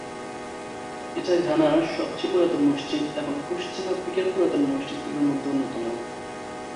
এটা ঘানার সবচেয়ে পুরাতন মসজিদ এবং পশ্চিম আফ্রিকার পুরাতন মসজিদগুলোর মধ্যে অন্যতম।